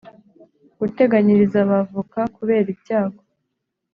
Guteganyiriza Abavoka kubera ibyago